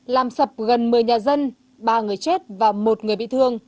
làm sập gần một mươi nhà dân ba người chết và một người bị thương